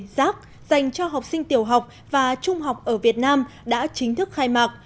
giác dành cho học sinh tiểu học và trung học ở việt nam đã chính thức khai mạc